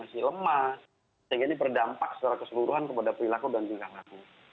sehingga ini berdampak secara keseluruhan kepada perilaku dan tingkat hati